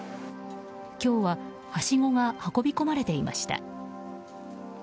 今日ははしごが運び込まれていました。